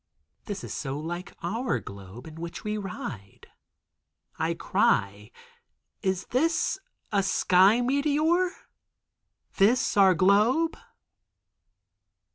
This is so like our globe in which we ride. I cry, "Is this a sky meteor? This our globe?"